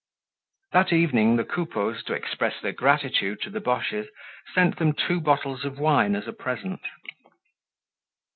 That evening the Coupeaus, to express their gratitude to the Boches, sent them two bottles of wine as a present.